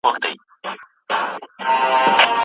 د کتاب لوستل يو ښه عادت دی.